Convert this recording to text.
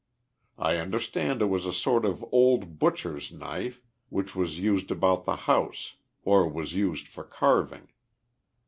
I understand it was a sort of old butcher's knife, which was used about the house, or was used for carving.